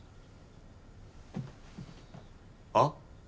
あっ！